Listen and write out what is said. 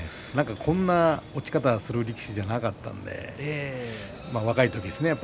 こんな落ち方する力士ではなかったんで若い時ですね